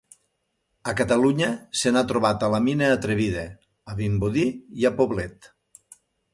A Catalunya se n'ha trobat a la Mina Atrevida, a Vimbodí i a Poblet.